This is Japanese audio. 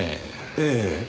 ええ。